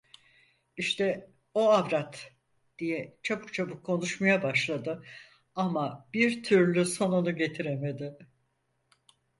İşte o avrat… diye çabuk çabuk konuşmaya başladı, ama bir türlü sonunu getiremedi.